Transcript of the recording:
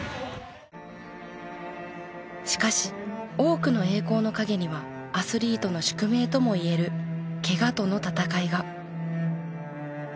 しかし多くの栄光の陰にはアスリートの宿命ともいえるケガとの闘いが。